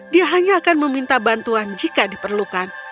dia hanya akan meminta bantuan jika diperlukan